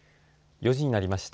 ４時になりました。